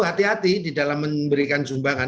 hati hati di dalam memberikan sumbangan